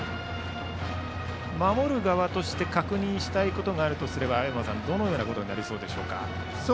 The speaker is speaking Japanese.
守る側として確認したいことがあるとすれば青山さん、どのようなことになりそうでしょうか？